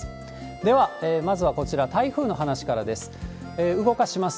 では、まずはこちら、台風の話からです。